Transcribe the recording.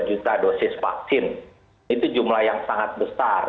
dua puluh juta dosis vaksin itu jumlah yang sangat besar